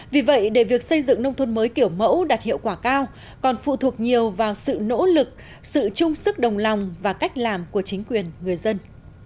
vì vậy để việc xây dựng nông thôn mới kiểu mẫu đạt hiệu quả cao còn phụ thuộc nhiều vào sự nỗ lực sự chung sức đồng lòng và cách làm của chính quyền người dân